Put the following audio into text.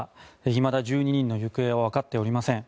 いまだ１２人の行方はわかっていません。